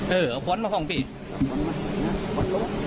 เออเอาขวนมาข้องปีเอาขวนมาขอโทษนะครับ